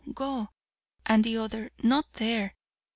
go!' and the other: 'Not there...!